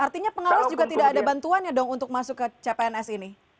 artinya pengawas juga tidak ada bantuan ya dong untuk masuk ke cpns ini